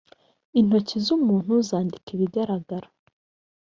intoki z ‘umuntu zandika ibigaragara.